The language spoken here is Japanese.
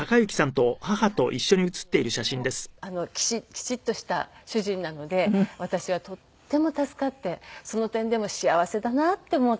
とてもきちっきちっとした主人なので私はとっても助かってその点でも幸せだなって思っています。